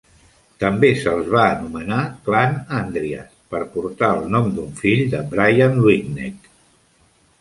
També se'ls va anomenar Clann Andrias, per portar el nom d'un fill de Brian Luighnech.